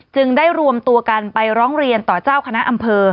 จึงได้รวมตัวกันไปร้องเรียนต่อเจ้าคณะอำเภอ